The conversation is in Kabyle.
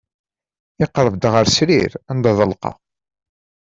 Ittqerrib-d ɣer srir anda ḍelqeɣ.